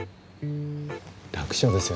楽勝ですよ。